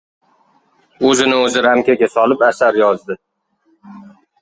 o‘zini o‘zi ramkaga solib asar yozdi.